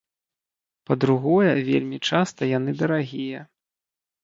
Па-другое, вельмі часта яны дарагія.